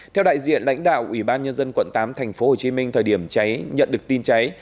theo đại diện lãnh đạo ủy ban nhân dân quận tám tp hcm thời điểm cháy nhận được tin cháy